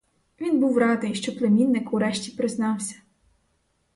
Він був радий, що племінник урешті признався.